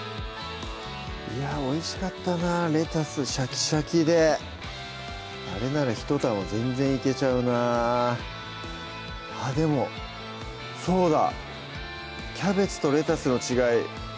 いやおいしかったなレタスシャキシャキであれなら１玉全然いけちゃうなあっでもそうだ！